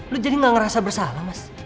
lu jadi gak ngerasa bersalah mas